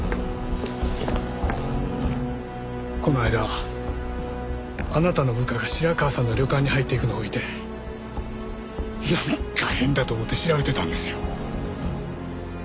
この間あなたの部下が白川さんの旅館に入っていくのを見てなんか変だと思って調べてたんですよ。